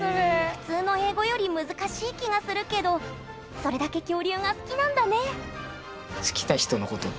普通の英語より難しい気がするけどそれだけ恐竜が好きなんだね